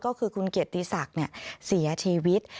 ก็คือคุณเกียรติศักดิ์เสียชีวิต